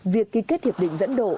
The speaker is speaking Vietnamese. việc ký kết hiệp định dẫn độ